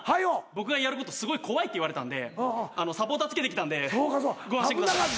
僕がやることすごい怖いって言われたんでサポーター着けてきたんでご安心ください。